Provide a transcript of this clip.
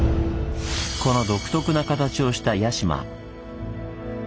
この独特な形をした屋島。